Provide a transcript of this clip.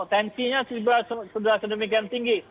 tensinya sudah sedemikian tinggi